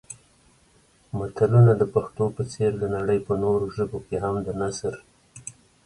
متلونه د پښتو په څېر د نړۍ په نورو ژبو کې هم د نثر